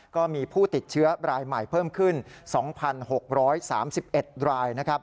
ก็มีผู้ติดเชื้อรายใหม่เพิ่มขึ้น๒๖๓๑รายนะครับ